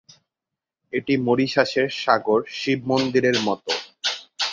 এটি মরিশাসের সাগর শিব মন্দিরের মতো।